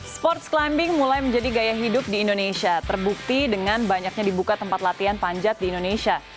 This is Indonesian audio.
sports climbing mulai menjadi gaya hidup di indonesia terbukti dengan banyaknya dibuka tempat latihan panjat di indonesia